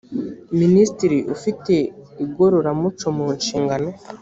minisitiri ufite igororamuco mu nshingano